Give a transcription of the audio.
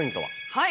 はい。